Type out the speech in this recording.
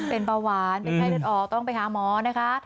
เป็นเบาหวานเป็นไข้เลือดออกต้องไปหาหมอนะคะ